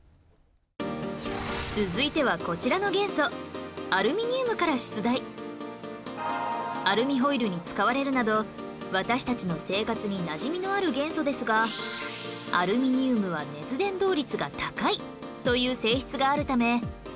続いてはこちらの元素アルミホイルに使われるなど私たちの生活になじみのある元素ですがアルミニウムは熱伝導率が高いという性質があるため